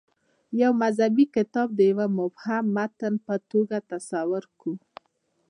یو مذهبي کتاب د یوه مبهم متن په توګه تصور کړو.